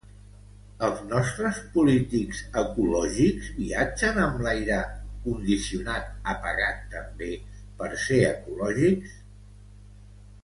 Els nostres polítics ecològics viatgen amb aire condicionat apagat també per ser ecològics?